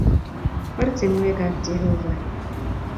Ortinwekab Jehovah.